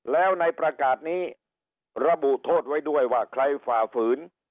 แล้วในประกาศนี้ระบุโทษไว้ด้วยว่าใครฝ่าฝืน